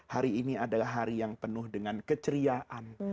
hari ini adalah hari yang penuh dengan keceriaan